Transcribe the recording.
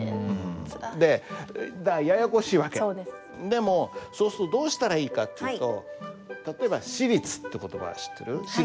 でもそうするとどうしたらいいかっていうと例えば「シリツ」って言葉は知ってる？